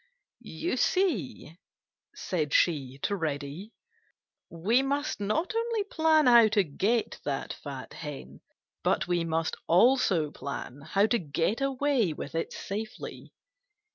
"You see," said she to Reddy, "we must not only plan how to get that fat hen, but we must also plan how to get away with it safely.